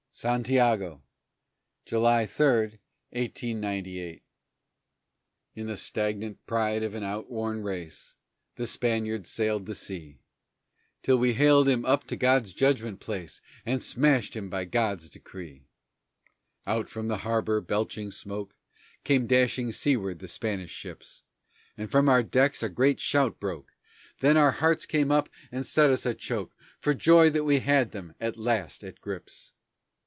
SANTIAGO [July 3, 1898] _In the stagnant pride of an outworn race The Spaniard sail'd the sea: Till we haled him up to God's judgment place And smashed him by God's decree!_ Out from the harbor, belching smoke, Came dashing seaward the Spanish ships And from all our decks a great shout broke, Then our hearts came up and set us a choke For joy that we had them at last at grips!